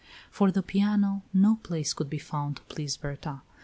For the piano no place could be found to please Berta.